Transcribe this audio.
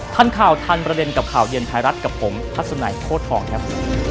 ทันข่าวทันประเด็นกับข่าวเย็นไทยรัฐกับผมทัศนัยโคตรทองครับ